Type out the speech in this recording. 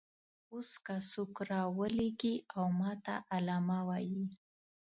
اوس که څوک راولاړېږي او ماته علامه وایي.